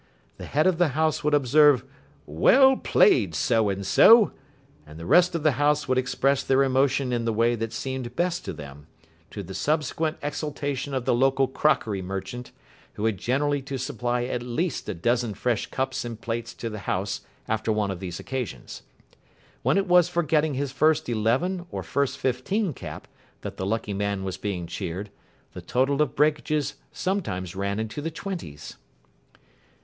The head of the house would observe, "Well played, So and So!" and the rest of the house would express their emotion in the way that seemed best to them, to the subsequent exultation of the local crockery merchant, who had generally to supply at least a dozen fresh cups and plates to the house after one of these occasions. When it was for getting his first eleven or first fifteen cap that the lucky man was being cheered, the total of breakages sometimes ran into the twenties.